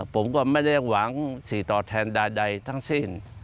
ผมก็ไม่เรียกหวังสีต่อแทนใดทั้งสิ้น